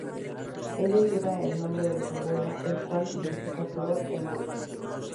Ella lleva el nombre de su abuela, el cual significa ‘flor’ en búlgaro.